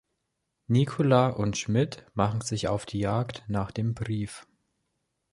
Nikola und Schmidt machen sich auf die Jagd nach dem Brief.